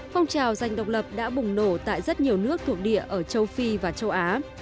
phong trào giành độc lập đã bùng nổ tại rất nhiều nước thuộc địa ở châu phi và châu á